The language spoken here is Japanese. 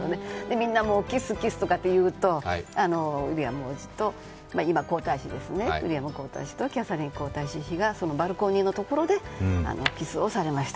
みんなキス、キスとか言うとウィリアム王子、今、皇太子ですね、キャサリン皇太子妃がそのバルコニーのところでキスをされました。